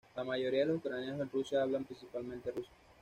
La mayoría de los ucranianos en Rusia hablan principalmente ruso.